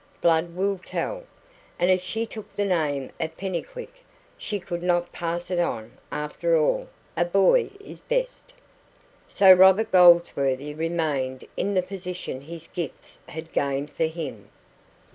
Blood will tell. And if she took the name of Pennycuick, she could not pass it on. After all, a boy is best." So Robert Goldsworthy remained in the position his gifts had gained for him.